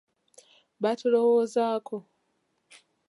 Batulowoozaako